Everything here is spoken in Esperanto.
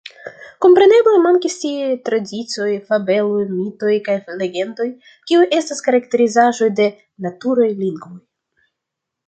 Kompreneble mankis tiaj tradicioj, fabeloj, mitoj kaj legendoj, kiuj estas karakterizaĵoj de “naturaj lingvoj.